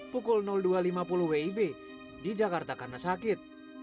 pukul dua lima puluh wib di jakarta karena sakit